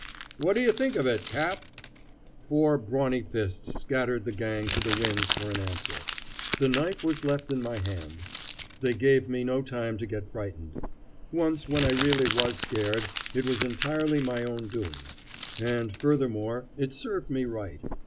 "What do you think of it, Cap?" Four brawny fists scattered the gang to the winds for an answer. The knife was left in my hand. They gave me no time to get frightened. Once when I really was scared, it was entirely my own doing. And, furthermore, it served me right.